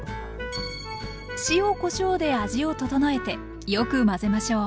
塩・こしょうで味を調えてよく混ぜましょう。